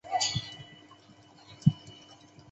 清朝为安徽省泗州盱眙。